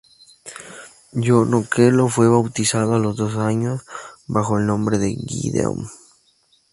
John Okello fue bautizado a los dos años bajo el nombre de Gideon.